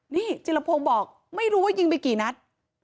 นี่จิลพงศ์บอกไม่รู้ว่ายิงไปกี่นัด